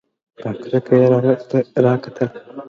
په کرکه یې راکتل !